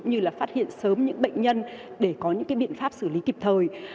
như là phát hiện sớm những bệnh nhân để có những biện pháp xử lý kịp thời